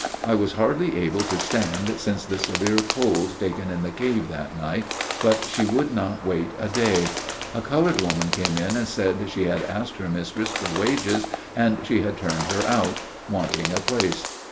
I was hardly able to stand since the severe cold taken in the cave that night; but she would not wait a day. A colored woman came in and said she had asked her mistress for wages and she had turned her out (wanting a place).